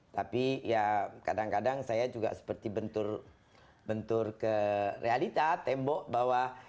tapi ya kadang kadang saya juga seperti bentur ke realita tembok bahwa